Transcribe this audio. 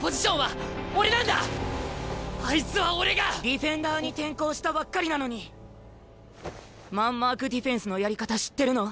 ディフェンダーに転向したばっかりなのにマンマークディフェンスのやり方知ってるの？